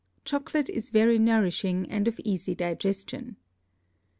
Chocolate is very nourishing and of easy Digestion.